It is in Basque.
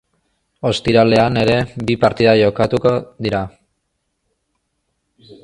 Ostiralean ere bi partida jokatuko dira.